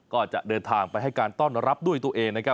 ก็จะเดินทางไปให้การต้อนรับด้วยตัวเองนะครับ